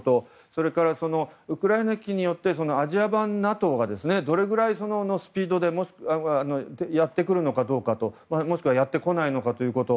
それからウクライナ危機によってアジア版ＮＡＴＯがどれぐらいのスピードでやってくるのかどうかもしくはやってこないかということ。